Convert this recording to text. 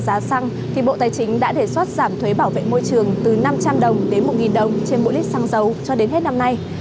giá xăng thì bộ tài chính đã đề xuất giảm thuế bảo vệ môi trường từ năm trăm linh đồng đến một đồng trên mỗi lít xăng dầu cho đến hết năm nay